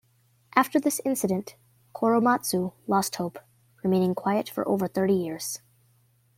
After this incident Korematsu lost hope, remaining quiet for over thirty years.